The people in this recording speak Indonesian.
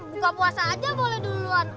buka puasa aja boleh duluan